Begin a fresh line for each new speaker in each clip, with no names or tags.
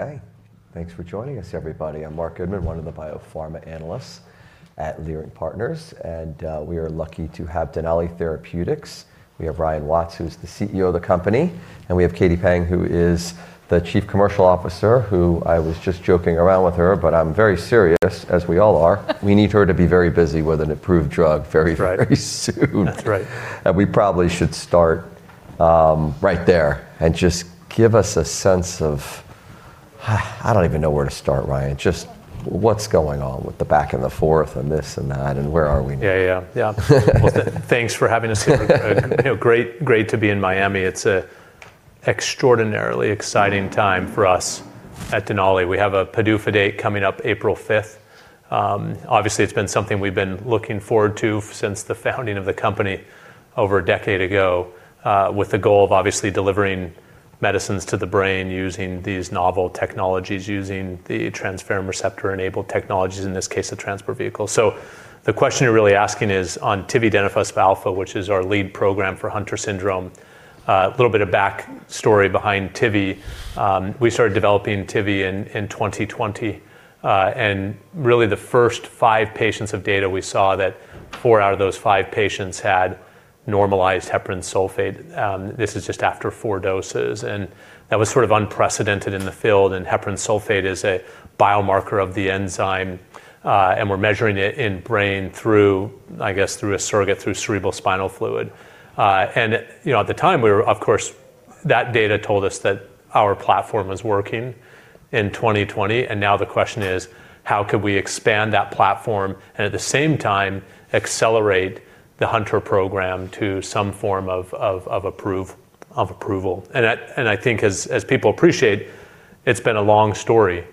Okay. Thanks for joining us, everybody. I'm Marc Goodman, one of the biopharma analysts at Leerink Partners. We are lucky to have Denali Therapeutics. We have Ryan Watts, who's the CEO of the company, and we have Katie Peng, who is the Chief Commercial Officer, who I was just joking around with her, but I'm very serious, as we all are. We need her to be very busy with an approved drug very, very soon.
That's right.
We probably should start, right there, and just give us a sense of. I don't even know where to start, Ryan. Just what's going on with the back and the forth and this and that, and where are we now?
Well, thanks for having us here. You know, great to be in Miami. It's a extraordinarily exciting time for us at Denali. We have a PDUFA date coming up April 5th. Obviously, it's been something we've been looking forward to since the founding of the company over a decade ago, with the goal of obviously delivering medicines to the brain using these novel technologies, using the transferrin receptor-enabled technologies, in this case, the Transport Vehicle. The question you're really asking is on tividenofusp alfa, which is our lead program for Hunter syndrome. A little bit of backstory behind Tivi. We started developing Tivi in 2020, and really the first five patients of data we saw that four out of those five patients had normalized heparan sulfate, this is just after four doses. That was sort of unprecedented in the field, and heparan sulfate is a biomarker of the enzyme, and we're measuring it in brain through, I guess, through a surrogate, through cerebrospinal fluid. You know, at the time, of course, that data told us that our platform was working in 2020, and now the question is: How could we expand that platform, and at the same time accelerate the Hunter program to some form of approval? I think as people appreciate, it's been a long story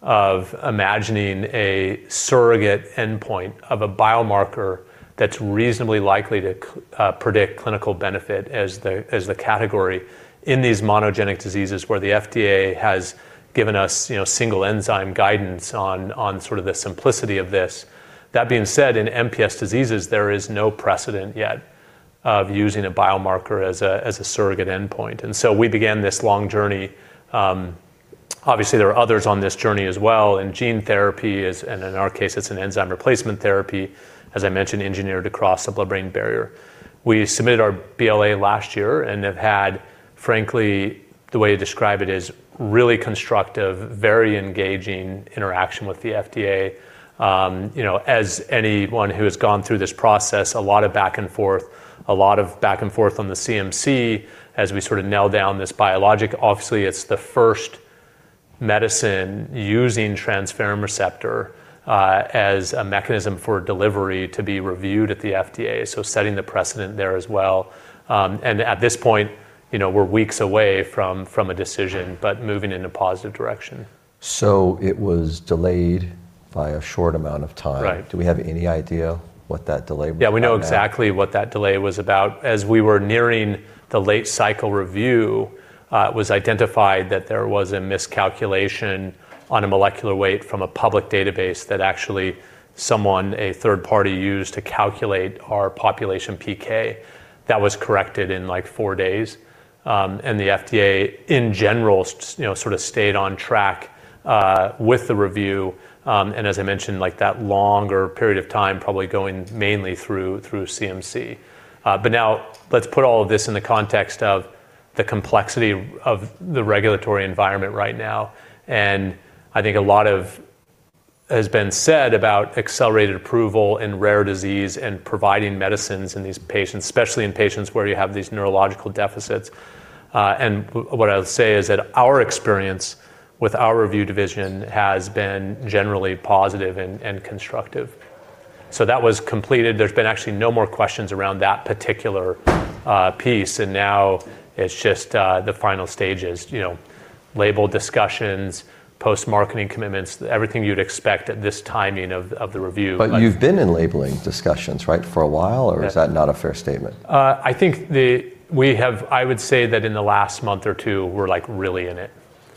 of imagining a surrogate endpoint of a biomarker that's reasonably likely to predict clinical benefit as the category in these monogenic diseases where the FDA has given us, you know, single enzyme guidance on sort of the simplicity of this. That being said, in MPS diseases, there is no precedent yet of using a biomarker as a surrogate endpoint. We began this long journey. Obviously, there are others on this journey as well. In our case, it's an enzyme replacement therapy, as I mentioned, engineered across the blood-brain barrier. We submitted our BLA last year and have had, frankly, the way you describe it is really constructive, very engaging interaction with the FDA. You know, as anyone who has gone through this process, a lot of back and forth on the CMC as we sort of nail down this biologic. Obviously, it's the first medicine using transferrin receptor as a mechanism for delivery to be reviewed at the FDA, so setting the precedent there as well. At this point, you know, we're weeks away from a decision, but moving in a positive direction.
It was delayed by a short amount of time.
Right.
Do we have any idea what that delay was about now?
Yeah, we know exactly what that delay was about. As we were nearing the late cycle review, it was identified that there was a miscalculation on a molecular weight from a public database that actually someone, a third party, used to calculate our population PK. That was corrected in, like, four days, the FDA, in general, you know, sort of stayed on track with the review, and as I mentioned, like, that longer period of time probably going mainly through CMC. Now let's put all of this in the context of the complexity of the regulatory environment right now, I think a lot of has been said about accelerated approval and rare disease and providing medicines in these patients, especially in patients where you have these neurological deficits. What I'll say is that our experience with our review division has been generally positive and constructive. That was completed. There's been actually no more questions around that particular piece, and now it's just the final stages, you know, label discussions, post-marketing commitments, everything you'd expect at this timing of the review.
You've been in labeling discussions, right, for a while?
Yeah
...or is that not a fair statement?
I would say that in the last month or two, we're, like, really in it.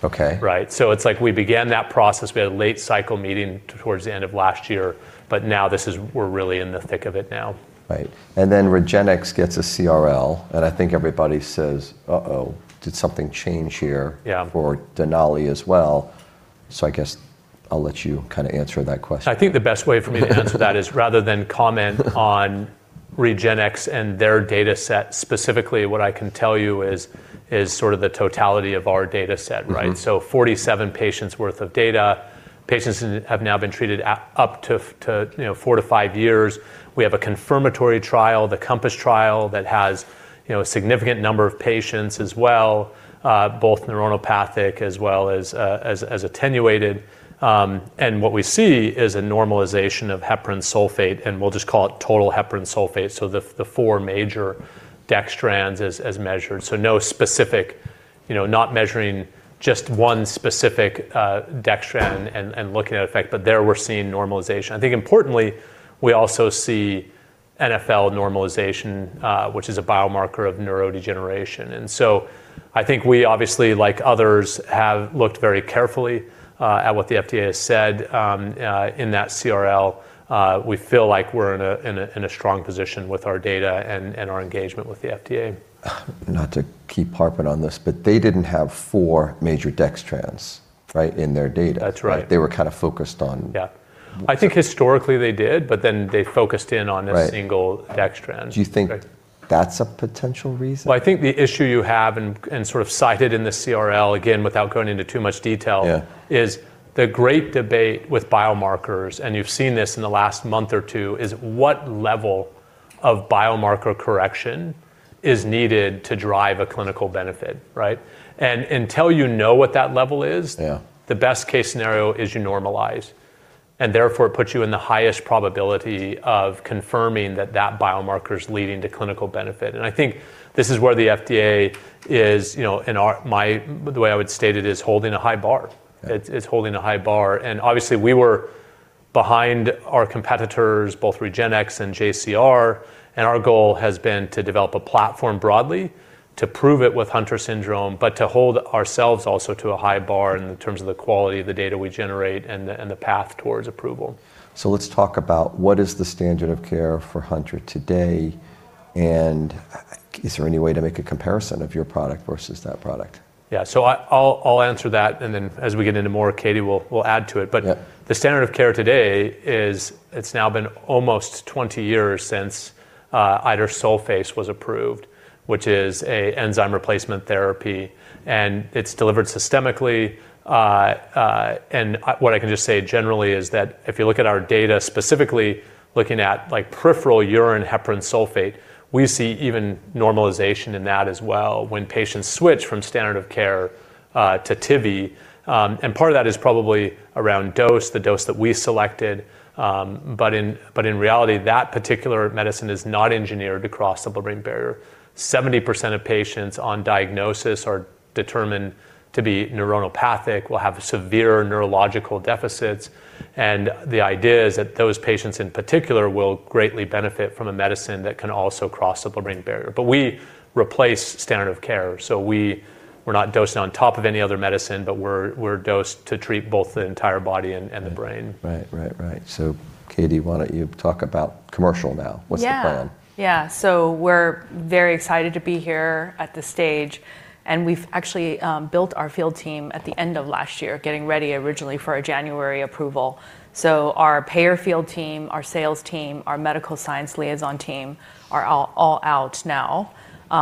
Okay.
Right? It's like we began that process. We had a late cycle meeting towards the end of last year, now we're really in the thick of it now.
Right. REGENXBIO gets a CRL, and I think everybody says, "Uh-oh, did something change here?
Yeah
...for Denali as well? I guess I'll let you kinda answer that question.
I think the best way for me to answer that is, rather than comment on REGENXBIO and their dataset specifically, what I can tell you is sort of the totality of our dataset, right?
Mm-hmm.
47 patients' worth of data. Patients have now been treated at up to, you know, 4-5 years. We have a confirmatory trial, the COMPASS trial, that has, you know, a significant number of patients as well, both neuronopathic as well as attenuated. And what we see is a normalization of heparan sulfate, and we'll just call it total heparan sulfate, so the four major dextrans as measured. No specific, you know, not measuring just one specific dextran and looking at effect, but there we're seeing normalization. I think importantly, we also see NfL normalization, which is a biomarker of neurodegeneration. I think we obviously, like others, have looked very carefully at what the FDA has said in that CRL. We feel like we're in a strong position with our data and our engagement with the FDA.
Not to keep harping on this, but they didn't have four major dextrans. Right? In their data.
That's right.
They were kind of focused on.
Yeah. I think historically they did, but then they focused in on-
Right...
a single dextran.
Do you think that's a potential reason?
Well, I think the issue you have and sort of cited in the CRL, again, without going into too much detail-
Yeah...
is the great debate with biomarkers, you've seen this in the last month or two, is what level of biomarker correction is needed to drive a clinical benefit, right? Until you know what that level is-
Yeah...
the best case scenario is you normalize, therefore it puts you in the highest probability of confirming that that biomarker's leading to clinical benefit. I think this is where the FDA is, you know, the way I would state it is holding a high bar.
Okay.
It's holding a high bar, and obviously we were behind our competitors, both REGENXBIO and JCR, and our goal has been to develop a platform broadly to prove it with Hunter syndrome, but to hold ourselves also to a high bar in terms of the quality of the data we generate and the path towards approval.
Let's talk about what is the standard of care for Hunter today and is there any way to make a comparison of your product versus that product?
Yeah. I'll answer that, and then as we get into more, Katie will add to it.
Yeah.
The standard of care today is it's now been almost 20 years since idursulfase was approved, which is a enzyme replacement therapy, and it's delivered systemically. What I can just say generally is that if you look at our data, specifically looking at like peripheral urine heparan sulfate, we see even normalization in that as well when patients switch from standard of care to Tivi. Part of that is probably around dose, the dose that we selected. In reality, that particular medicine is not engineered to cross the blood-brain barrier. 70% of patients on diagnosis are determined to be neuronopathic, will have severe neurological deficits, and the idea is that those patients in particular will greatly benefit from a medicine that can also cross the blood-brain barrier. We replace standard of care. We're not dosing on top of any other medicine, but we're dosed to treat both the entire body and the brain.
Right. Right. Right. Katie, why don't you talk about commercial now?
Yeah.
What's the plan?
Yeah. We're very excited to be here at this stage, and we've actually built our field team at the end of last year, getting ready originally for a January approval. Our payer field team, our sales team, our medical science liaison team are all out now.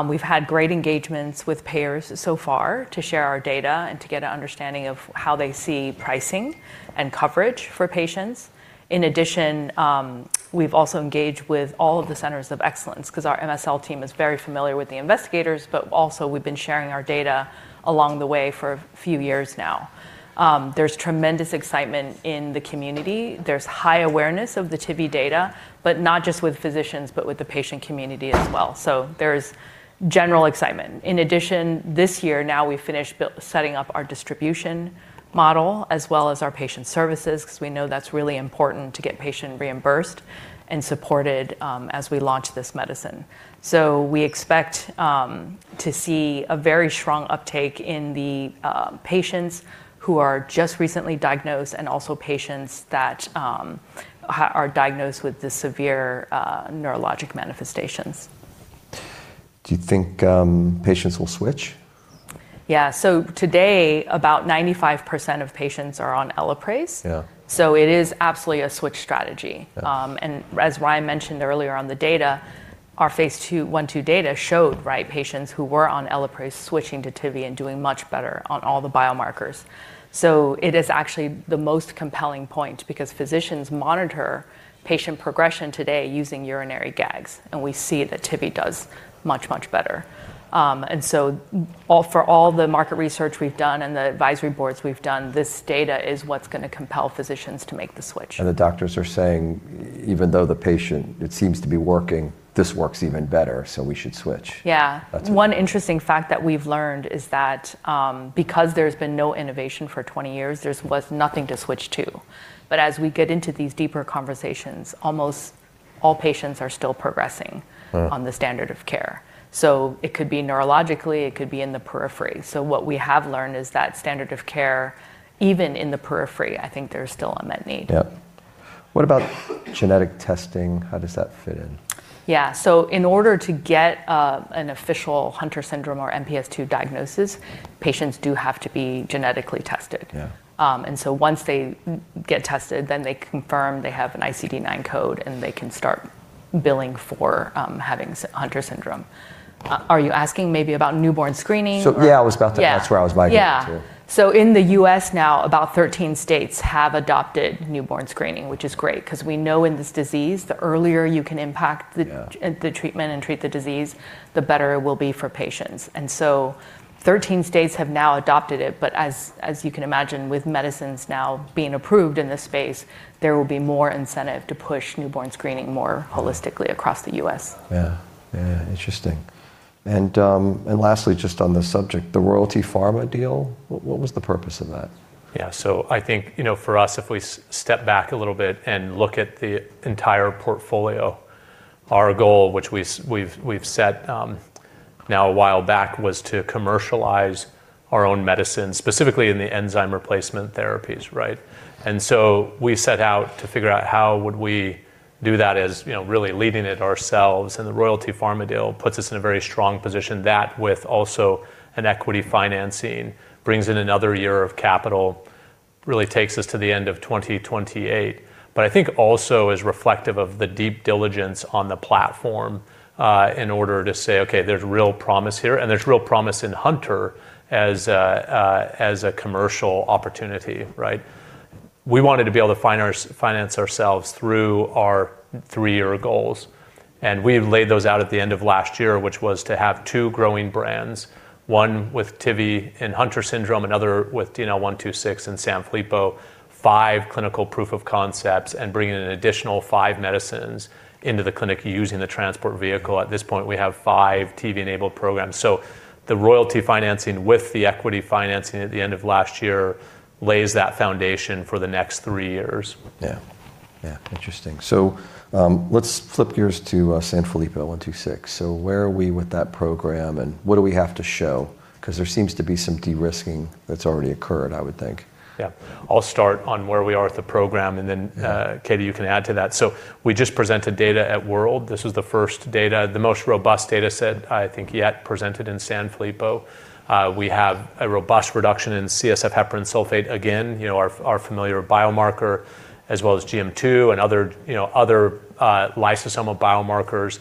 We've had great engagements with payers so far to share our data and to get an understanding of how they see pricing and coverage for patients. In addition, we've also engaged with all of the centers of excellence because our MSL team is very familiar with the investigators, but also we've been sharing our data along the way for a few years now. There's tremendous excitement in the community. There's high awareness of the Tivi data, but not just with physicians, but with the patient community as well. There's general excitement. In addition, this year now we finished setting up our distribution model as well as our patient services because we know that's really important to get patient reimbursed and supported as we launch this medicine. We expect to see a very strong uptake in the patients who are just recently diagnosed and also patients that are diagnosed with the severe neurologic manifestations.
Do you think, patients will switch?
Yeah. Today, about 95% of patients are on Elaprase.
Yeah.
It is absolutely a switch strategy.
Yeah.
As Ryan mentioned earlier on the data, our phase I/II data showed, right, patients who were on Elaprase switching to Tivi and doing much better on all the biomarkers. It is actually the most compelling point because physicians monitor patient progression today using urinary GAGs, we see that Tivi does much better. For all the market research we've done and the advisory boards we've done, this data is what's gonna compel physicians to make the switch.
The doctors are saying, even though the patient, it seems to be working, this works even better, so we should switch.
Yeah.
That's it.
One interesting fact that we've learned is that, because there's been no innovation for 20 years, there's was nothing to switch to. As we get into these deeper conversations, almost all patients are still progressing-
Mm-hmm...
on the standard of care. It could be neurologically, it could be in the periphery. What we have learned is that standard of care, even in the periphery, I think there's still unmet need.
Yep. What about genetic testing? How does that fit in?
Yeah. In order to get, an official Hunter syndrome or MPS II diagnosis, patients do have to be genetically tested.
Yeah.
Once they get tested, then they confirm they have an ICD-9 code, and they can start billing for Hunter syndrome. Are you asking maybe about newborn screening?
Yeah.
Yeah.
That's where I was migrating to.
Yeah. In the U.S. now, about 13 states have adopted newborn screening, which is great, because we know in this disease, the earlier you can impact-
Yeah...
the treatment and treat the disease, the better it will be for patients. 13 states have now adopted it. As you can imagine, with medicines now being approved in this space, there will be more incentive to push newborn screening more holistically across the U.S.
Yeah. Yeah. Interesting. Lastly, just on this subject, the Royalty Pharma deal, what was the purpose of that?
I think, you know, for us, if we step back a little bit and look at the entire portfolio, our goal, which we've set, now a while back, was to commercialize our own medicine, specifically in the enzyme replacement therapies, right? We set out to figure out how would we do that as, you know, really leading it ourselves, and the Royalty Pharma deal puts us in a very strong position. That with also an equity financing brings in another year of capital, really takes us to the end of 2028. I think also is reflective of the deep diligence on the platform, in order to say, okay, there's real promise here and there's real promise in Hunter as a commercial opportunity, right? We wanted to be able to finance ourselves through our three-year goals, and we've laid those out at the end of last year, which was to have two growing brands, one with Tivi and Hunter syndrome, another with DNL126 and Sanfilippo syndrome, five clinical proof-of-concepts, and bringing in an additional five medicines into the clinic using the Transport Vehicle. At this point, we have five Tivi-enabled programs. The royalty financing with the equity financing at the end of last year lays that foundation for the next three years.
Yeah. Yeah. Interesting. Let's flip gears to Sanfilippo 126. Where are we with that program, and what do we have to show? 'Cause there seems to be some de-risking that's already occurred, I would think.
Yeah. I'll start on where we are with the program and then.
Yeah
Katie, you can add to that. We just presented data at WORLDSymposium. This was the first data, the most robust data set, I think, yet presented in Sanfilippo syndrome. We have a robust reduction in CSF heparan sulfate, again, you know, our familiar biomarker, as well as GM2 and other, you know, other lysosomal biomarkers.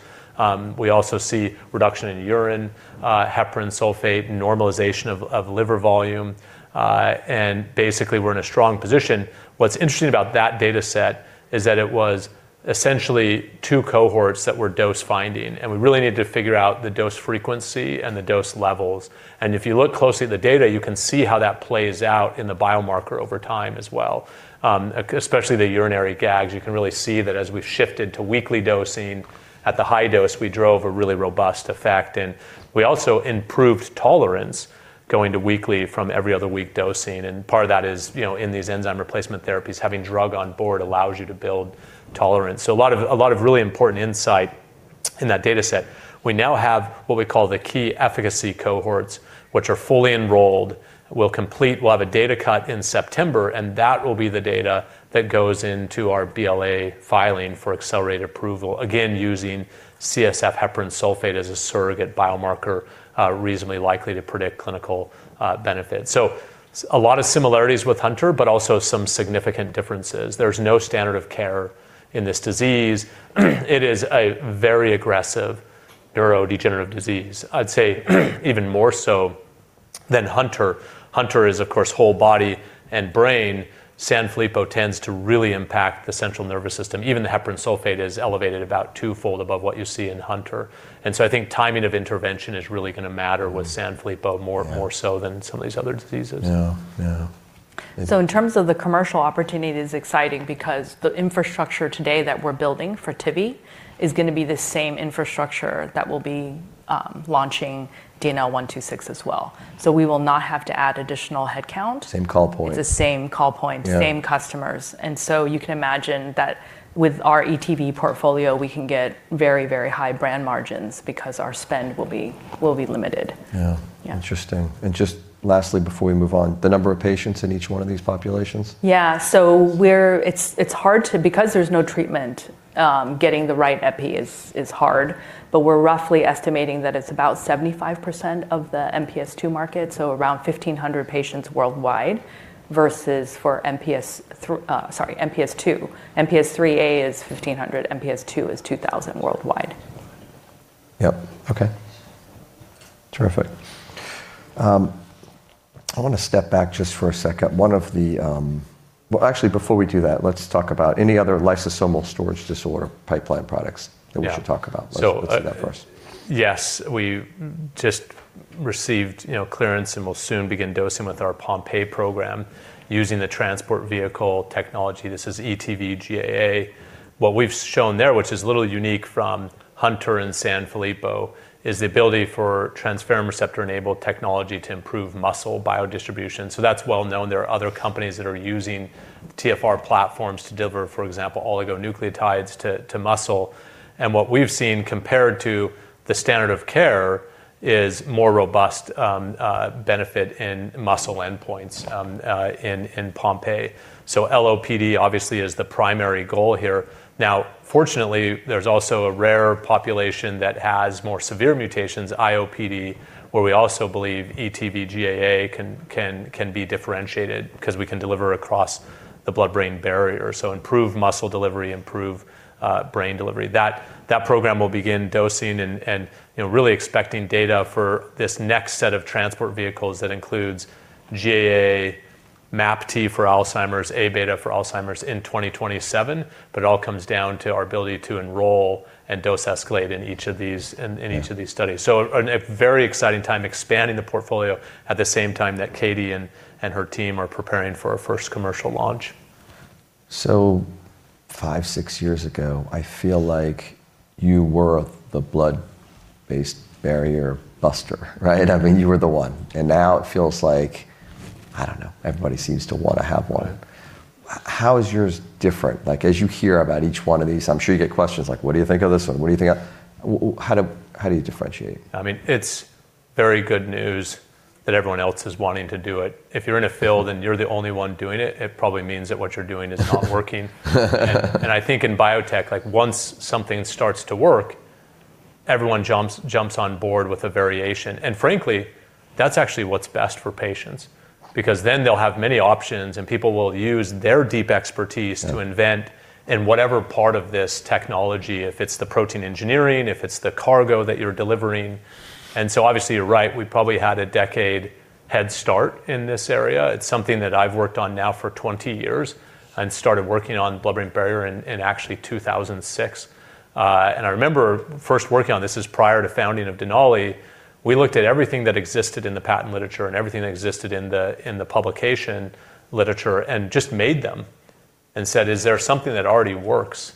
We also see reduction in urine heparan sulfate, normalization of liver volume, and basically we're in a strong position. What's interesting about that data set is that it was essentially two cohorts that were dose finding, and we really needed to figure out the dose frequency and the dose levels. If you look closely at the data, you can see how that plays out in the biomarker over time as well, especially the urinary GAGs. You can really see that as we've shifted to weekly dosing at the high dose, we drove a really robust effect. We also improved tolerance going to weekly from every other week dosing, part of that is, you know, in these enzyme replacement therapies, having drug on board allows you to build tolerance. A lot of really important insight in that data set. We now have what we call the key efficacy cohorts, which are fully enrolled. We'll have a data cut in September, that will be the data that goes into our BLA filing for accelerated approval, again, using CSF heparan sulfate as a surrogate biomarker, reasonably likely to predict clinical benefit. A lot of similarities with Hunter, also some significant differences. There's no standard of care in this disease. It is a very aggressive neurodegenerative disease, I'd say even more so than Hunter. Hunter is, of course, whole body and brain. Sanfilippo tends to really impact the central nervous system. Even the heparan sulfate is elevated about twofold above what you see in Hunter. I think timing of intervention is really gonna matter with Sanfilippo more so than some of these other diseases.
Yeah. Yeah.
In terms of the commercial opportunity, it is exciting because the infrastructure today that we're building for Tivi is gonna be the same infrastructure that will be launching DNL126 as well. We will not have to add additional headcount.
Same call points.
It's the same call points.
Yeah
same customers. You can imagine that with our ETV portfolio, we can get very, very high brand margins because our spend will be limited.
Yeah.
Yeah.
Interesting. Just lastly, before we move on, the number of patients in each one of these populations?
Yeah. It's hard to... Because there's no treatment, getting the right EPI is hard, but we're roughly estimating that it's about 75% of the MPS II market, so around 1,500 patients worldwide. Sorry, MPS II. MPS IIIA is 1,500, MPS II is 2,000 worldwide.
Yep. Okay. Terrific. I wanna step back just for a second. Well, actually, before we do that, let's talk about any other lysosomal storage disorder pipeline products-
Yeah
that we should talk about.
So, uh-
Let's do that first.
Yes. We just received, you know, clearance and will soon begin dosing with our Pompe program using the Transport Vehicle technology. This is ETV:GAA. What we've shown there, which is a little unique from Hunter and Sanfilippo, is the ability for transferrin receptor-enabled technology to improve muscle biodistribution. That's well known. There are other companies that are using TfR platforms to deliver, for example, oligonucleotides to muscle. What we've seen compared to the standard of care is more robust benefit in muscle endpoints in Pompe. LOPD obviously is the primary goal here. Now, fortunately, there's also a rare population that has more severe mutations, IOPD, where we also believe ETV:GAA can be differentiated 'cause we can deliver across the blood-brain barrier. Improve muscle delivery, improve brain delivery. That program will begin dosing and, you know, really expecting data for this next set of Transport Vehicles that includes GAA, MAPT for Alzheimer's, Abeta for Alzheimer's in 2027. It all comes down to our ability to enroll and dose escalate in each of these, in each-
Yeah...
of these studies. A very exciting time expanding the portfolio at the same time that Katie and her team are preparing for a first commercial launch.
five, six years ago, I feel like you were the blood-based barrier buster, right? I mean, you were the one. Now it feels like, I don't know, everybody seems to wanna have one. How is yours different? Like, as you hear about each one of these, I'm sure you get questions like, "What do you think of this one? What do you think of..." How do you differentiate?
I mean, Very good news that everyone else is wanting to do it. If you're in a field and you're the only one doing it probably means that what you're doing is not working. I think in biotech, like, once something starts to work, everyone jumps on board with a variation. Frankly, that's actually what's best for patients because then they'll have many options, and people will use their deep expertise-
Yeah...
to invent in whatever part of this technology, if it's the protein engineering, if it's the cargo that you're delivering. Obviously, you're right, we probably had a decade head start in this area. It's something that I've worked on now for 20 years and started working on blood-brain barrier in actually 2006. I remember first working on this is prior to founding of Denali. We looked at everything that existed in the patent literature and everything that existed in the, in the publication literature and just made them and said, "Is there something that already works?"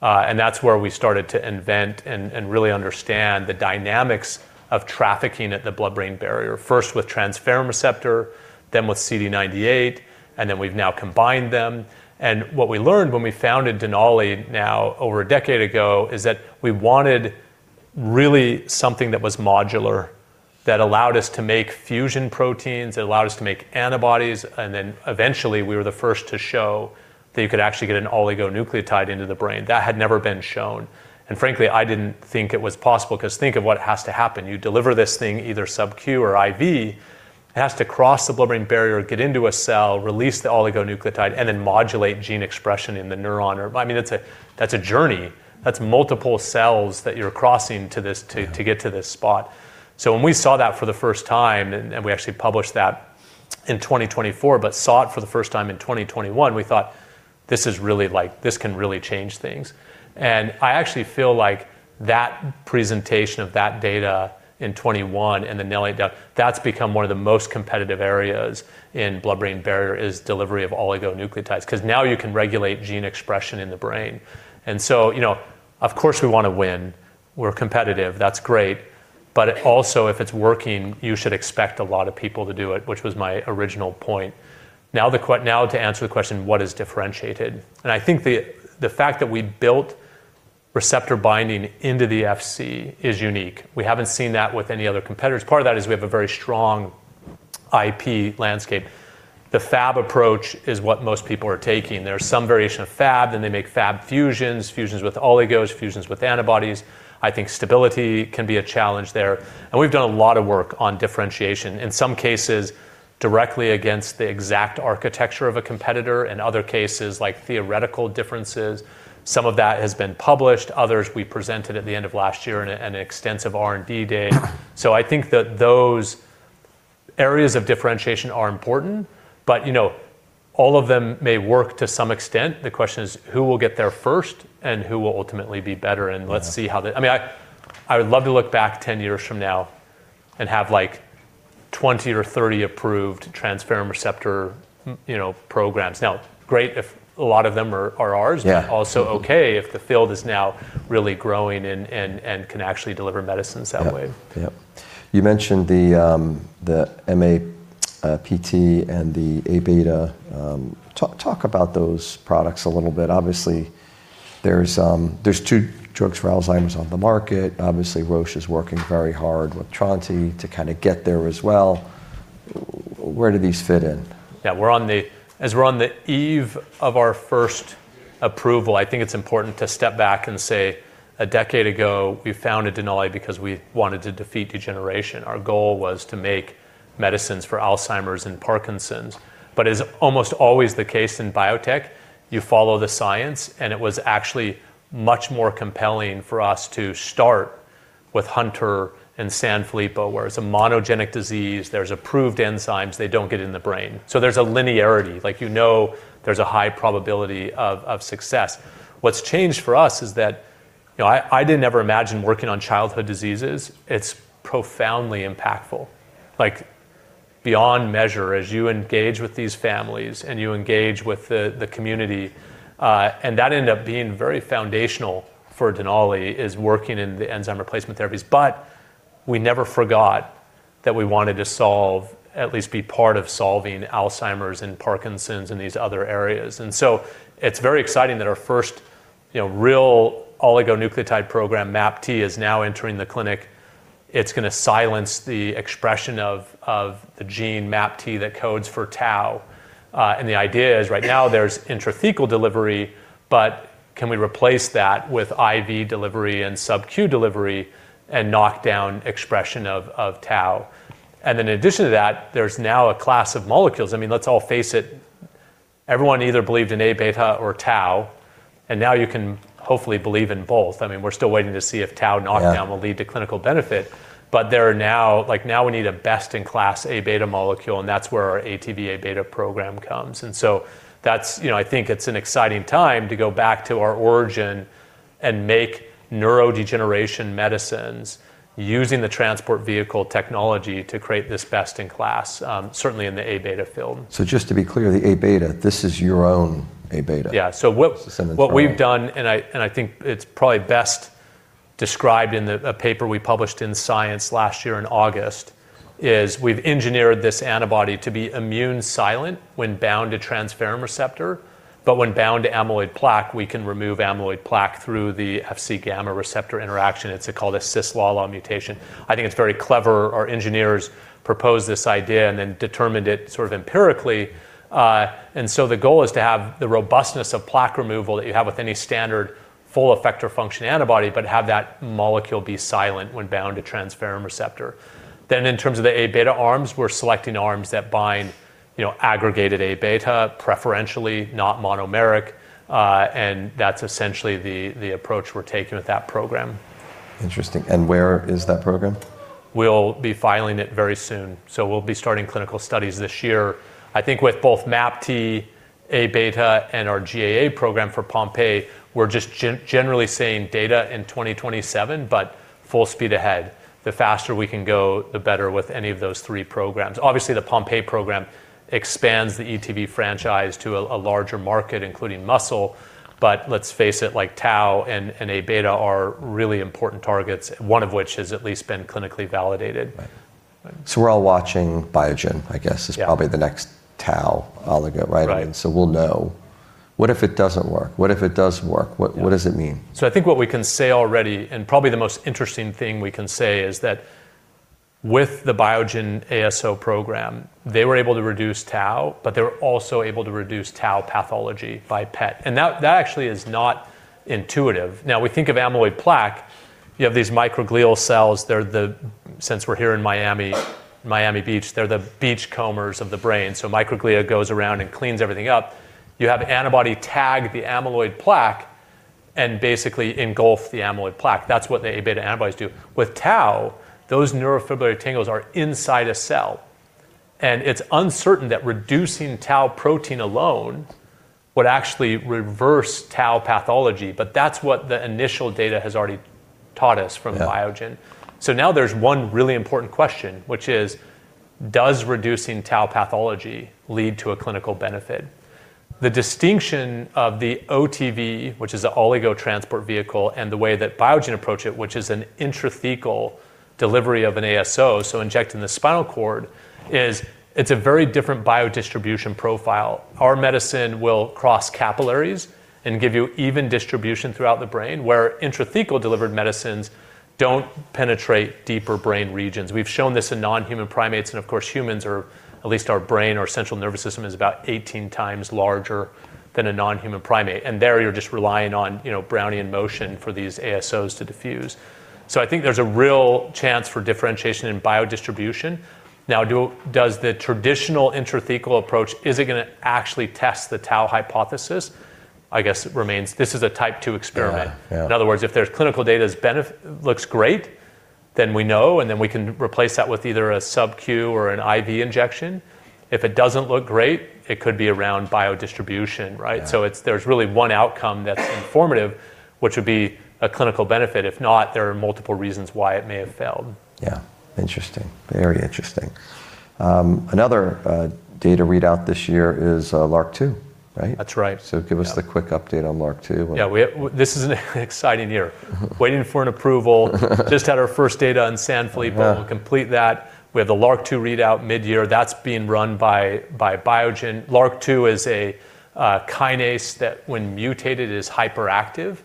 That's where we started to invent and really understand the dynamics of trafficking at the blood-brain barrier, first with transferrin receptor, then with CD98, and then we've now combined them. What we learned when we founded Denali now over a decade ago is that we wanted really something that was modular, that allowed us to make fusion proteins, that allowed us to make antibodies, and then eventually we were the first to show that you could actually get an oligonucleotide into the brain. That had never been shown. Frankly, I didn't think it was possible because think of what has to happen. You deliver this thing either subQ or IV. It has to cross the blood-brain barrier, get into a cell, release the oligonucleotide, and then modulate gene expression in the neuron or... I mean, that's a, that's a journey. That's multiple cells that you're crossing to this...
Yeah...
to get to this spot. When we saw that for the first time, and we actually published that in 2024, but saw it for the first time in 2021, we thought, "This is really, like, this can really change things." I actually feel like that presentation of that data in 2021 in the NELLY trial, that's become one of the most competitive areas in blood-brain barrier, is delivery of oligonucleotides, 'cause now you can regulate gene expression in the brain. You know, of course we wanna win. We're competitive. That's great. Also, if it's working, you should expect a lot of people to do it, which was my original point. Now to answer the question, what is differentiated? I think the fact that we built receptor binding into the Fc is unique. We haven't seen that with any other competitors. Part of that is we have a very strong IP landscape. The Fab approach is what most people are taking. There are some variation of Fab, then they make Fab fusions with oligos, fusions with antibodies. I think stability can be a challenge there. We've done a lot of work on differentiation, in some cases, directly against the exact architecture of a competitor. In other cases, like theoretical differences. Some of that has been published. Others we presented at the end of last year in an extensive R&D day. I think that those areas of differentiation are important, but, you know, all of them may work to some extent. The question is, who will get there first and who will ultimately be better? Let's see how.
Mm.
I mean, I would love to look back 10 years from now and have, like, 20 or 30 approved transferrin receptor, you know, programs. Great if a lot of them are ours-
Yeah...
but also okay if the field is now really growing and can actually deliver medicines that way.
Yep. Yep. You mentioned the MAPT and the Abeta. Talk about those products a little bit. Obviously, there's two drugs for Alzheimer's on the market. Obviously, Roche is working very hard with trontinemab to kinda get there as well. Where do these fit in?
Yeah. As we're on the eve of our first approval, I think it's important to step back and say a decade ago, we founded Denali because we wanted to defeat degeneration. Our goal was to make medicines for Alzheimer's and Parkinson's. As almost always the case in biotech, you follow the science, and it was actually much more compelling for us to start with Hunter and Sanfilippo, where it's a monogenic disease, there's approved enzymes, they don't get in the brain. There's a linearity, like you know there's a high probability of success. What's changed for us is that, you know, I didn't ever imagine working on childhood diseases. It's profoundly impactful, like beyond measure as you engage with these families and you engage with the community. That ended up being very foundational for Denali, is working in the enzyme replacement therapies. We never forgot that we wanted to solve, at least be part of solving Alzheimer's and Parkinson's and these other areas. It's very exciting that our first, you know, real oligonucleotide program, MAPT, is now entering the clinic. It's gonna silence the expression of the gene MAPT that codes for tau. The idea is right now there's intrathecal delivery, but can we replace that with IV delivery and subQ delivery and knock down expression of tau? In addition to that, there's now a class of molecules. I mean, let's all face it, everyone either believed in Abeta or tau, and now you can hopefully believe in both. I mean, we're still waiting to see if tau knockdown-
Yeah
will lead to clinical benefit, but there are now. Like, now we need a best-in-class Abeta molecule, and that's where our ATV:Abeta program comes. That's, you know, I think it's an exciting time to go back to our origin and make neurodegeneration medicines using the Transport Vehicle technology to create this best in class, certainly in the Abeta field.
Just to be clear, the Abeta, this is your own Abeta?
Yeah. what-
This is-
What we've done, I think it's probably best described in a paper we published in Science last year in August. We've engineered this antibody to be immune silent when bound to transferrin receptor, but when bound to amyloid plaque, we can remove amyloid plaque through the Fc gamma receptor interaction. It's called a cis-LALA mutation. I think it's very clever. Our engineers proposed this idea and then determined it sort of empirically. The goal is to have the robustness of plaque removal that you have with any standard full effector function antibody, but have that molecule be silent when bound to transferrin receptor. In terms of the A-beta arms, we're selecting arms that bind, you know, aggregated A-beta preferentially, not monomeric, and that's essentially the approach we're taking with that program.
Interesting. Where is that program?
We'll be filing it very soon. We'll be starting clinical studies this year. I think with both MAPT, Abeta, and our GAA program for Pompe, we're just generally seeing data in 2027, but full speed ahead. The faster we can go, the better with any of those three programs. Obviously, the Pompe program expands the ETV franchise to a larger market, including muscle, but let's face it, like tau and Abeta are really important targets, one of which has at least been clinically validated.
Right. We're all watching Biogen, I guess...
Yeah
is probably the next tau oligo, right?
Right.
We'll know. What if it doesn't work? What if it does work? What does it mean?
I think what we can say already, and probably the most interesting thing we can say is that with the Biogen ASO program, they were able to reduce tau, but they were also able to reduce tau pathology by PET, and that actually is not intuitive. We think of amyloid plaque. You have these microglial cells, they're the since we're here in Miami Beach, they're the beachcombers of the brain. Microglia goes around and cleans everything up. You have antibody tag the amyloid plaque and basically engulf the amyloid plaque. That's what the A-beta antibodies do. With tau, those neurofibrillary tangles are inside a cell, and it's uncertain that reducing tau protein alone would actually reverse tau pathology. That's what the initial data has already taught us from Biogen.
Yeah.
Now there's one really important question, which is, does reducing tau pathology lead to a clinical benefit? The distinction of the OTV, which is the oligo Transport Vehicle, and the way that Biogen approach it, which is an intrathecal delivery of an ASO, so injecting the spinal cord, is it's a very different biodistribution profile. Our medicine will cross capillaries and give you even distribution throughout the brain, where intrathecal delivered medicines don't penetrate deeper brain regions. We've shown this in non-human primates and of course, humans are, at least our brain or central nervous system, is about 18 times larger than a non-human primate. There you're just relying on, you know, Brownian motion for these ASOs to diffuse. I think there's a real chance for differentiation in biodistribution. Now, does the traditional intrathecal approach, is it gonna actually test the tau hypothesis? I guess remains... This is a type two experiment.
Yeah. Yeah.
In other words, if there's clinical data's looks great, then we know, and then we can replace that with either a subQ or an IV injection. If it doesn't look great, it could be around biodistribution, right?
Yeah.
There's really one outcome that's informative, which would be a clinical benefit. If not, there are multiple reasons why it may have failed.
Yeah. Interesting. Very interesting. Another data readout this year is LRRK2, right?
That's right.
Give us the quick update on LRRK2?
Yeah. This is an exciting year. Waiting for an approval. Just had our first data in Sanfilippo.
Uh-huh.
We'll complete that. We have the LRRK2 readout midyear. That's being run by Biogen. LRRK2 is a kinase that when mutated, is hyperactive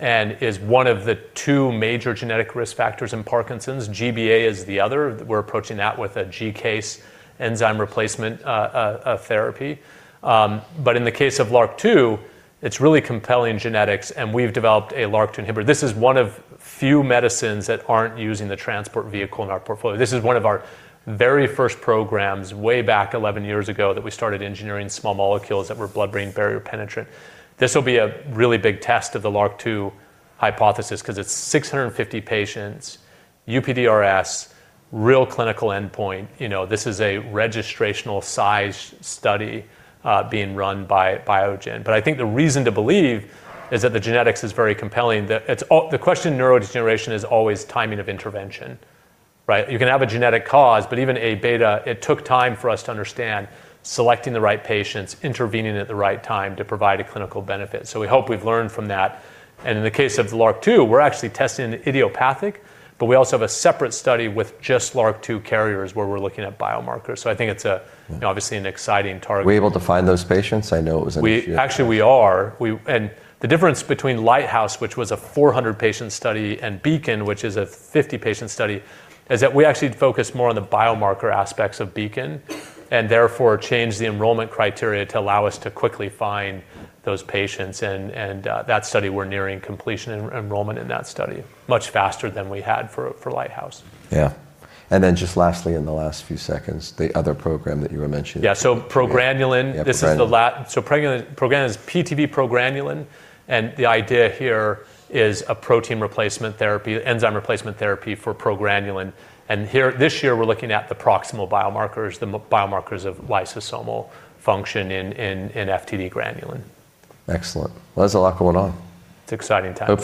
and is one of the two major genetic risk factors in Parkinson's. GBA is the other. We're approaching that with a GCase enzyme replacement therapy. In the case of LRRK2, it's really compelling genetics, and we've developed a LRRK2 inhibitor. This is one of few medicines that aren't using the Transport Vehicle in our portfolio. This is one of our very first programs way back 11 years ago, that we started engineering small molecules that were blood-brain barrier penetrant. This will be a really big test of the LRRK2 hypothesis because it's 650 patients, UPDRS, real clinical endpoint, you know. This is a registrational size study, being run by Biogen. I think the reason to believe is that the genetics is very compelling, that the question neurodegeneration is always timing of intervention, right? You can have a genetic cause, but even Abeta, it took time for us to understand selecting the right patients, intervening at the right time to provide a clinical benefit. We hope we've learned from that. In the case of LRRK2, we're actually testing idiopathic, but we also have a separate study with just LRRK2 carriers where we're looking at biomarkers. I think it's-
Mm.
obviously an exciting target.
Were you able to find those patients? I know it was an issue.
Actually, we are. The difference between LIGHTHOUSE, which was a 400 patient study, and BEACON, which is a 50 patient study, is that we actually focus more on the biomarker aspects of BEACON and therefore change the enrollment criteria to allow us to quickly find those patients. That study, we're nearing completion enrollment in that study much faster than we had for LIGHTHOUSE.
Yeah. Just lastly, in the last few seconds, the other program that you were mentioning.
Yeah. progranulin.
Yeah, progranulin.
This is progranulin is PTV progranulin, the idea here is a protein replacement therapy, enzyme replacement therapy for progranulin. This year, we're looking at the proximal biomarkers, the biomarkers of lysosomal function in FTD-GRN.
Excellent. Well, there's a lot going on.
It's exciting times.